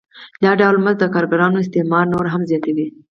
دا ډول مزد د کارګرانو استثمار نور هم زیاتوي